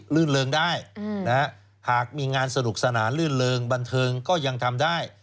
ื่นเริงได้หากมีงานสนุกสนานลื่นเริงบันเทิงก็ยังทำได้